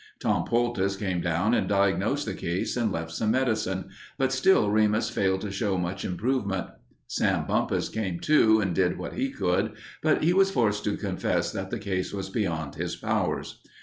Tom Poultice came down and diagnosed the case and left some medicine, but still Remus failed to show much improvement. Sam Bumpus came, too, and did what he could, but he was forced to confess that the case was beyond his powers.